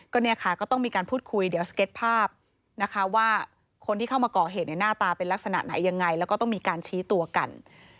ก็เนี่ยค่ะก็ต้องมีการพูดคุยเดี๋ยวสเก็ตภาพนะคะว่าคนที่เข้ามาก่อเหตุในหน้าตาเป็นลักษณะไหนยังไงแล้วก็ต้องมีการชี้ตัวกัน